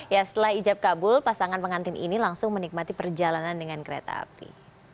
ya setelah ijab kabul pasangan pengantin ini langsung menikmati perjalanan dengan kereta api